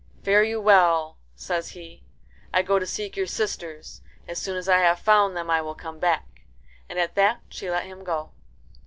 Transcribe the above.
"Fare you well," says he. "I go to seek your sisters. As soon as I have found them I will come back." And at that she let him go.